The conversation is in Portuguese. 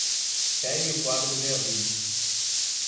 Pegue o quadro de avisos!